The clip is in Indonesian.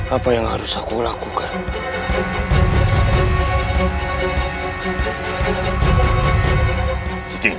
apa yang harus aku lakukan